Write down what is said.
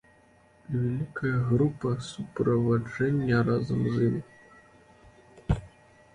І вялікая група суправаджэння разам з ім.